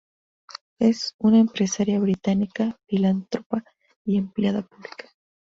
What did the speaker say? Es una empresaria británica, filántropa y empleada pública.